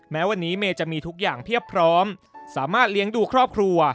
แม้วันนี้เมย์จะมีทุกอย่างเพียบพร้อมสามารถเลี้ยงดูครอบครัว